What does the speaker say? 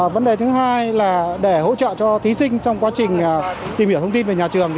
vấn đề thứ hai là để hỗ trợ cho thí sinh trong quá trình tìm hiểu thông tin về nhà trường